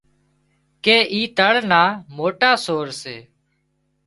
ڪي اي تۯ نا موٽا سور سي